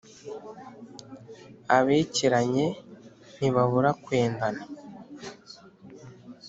abekeranye ntibabura kwendana.